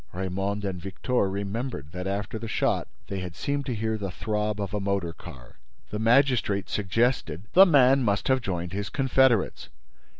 Raymonde and Victor remembered that, after the shot, they had seemed to hear the throb of a motor car. The magistrate suggested: "The man must have joined his confederates."